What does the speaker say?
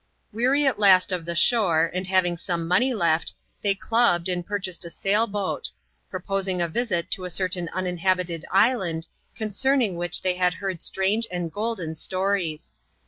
Weary at last of the shore, and having some money left, they clubbed, and purchased a sail boat ; proposing a visit to a certain uninhabited island, concerning which thej had heard strange and golden stories.